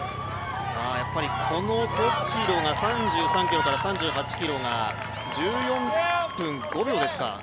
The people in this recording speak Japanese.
この５ｋｍが３３ｋｍから３８ｋｍが１４分５秒ですか。